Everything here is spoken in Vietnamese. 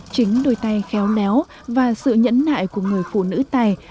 chính đôi tay khéo léo và sự nhẫn nại của người phụ nữ tài